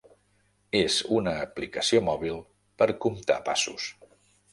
És una aplicació mòbil per comptar passos.